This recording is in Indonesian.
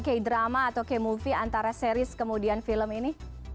k drama atau k movie antara series kemudian film ini